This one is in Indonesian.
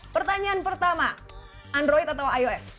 pertanyaan pertama android atau ios